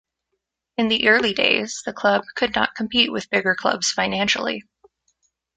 In the early days, the club could not compete with the bigger clubs financially.